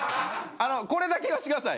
あのこれだけ言わせてください。